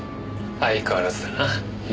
相変わらずだな。